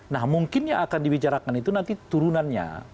nah mungkin yang akan dibicarakan itu nanti turunannya